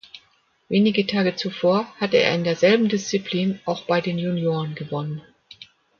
Wenige Tage zuvor hatte er in derselben Disziplin auch bei den Junioren gewonnen.